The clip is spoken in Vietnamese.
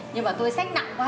nhưng mà tôi xách nặng quá